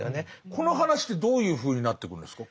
この話ってどういうふうになっていくんですか？